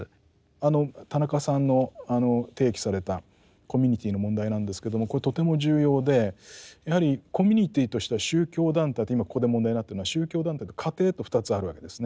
あの田中さんの提起されたコミュニティーの問題なんですけどもこれとても重要でやはりコミュニティーとしては宗教団体って今ここで問題になってるのは宗教団体と家庭と２つあるわけですね。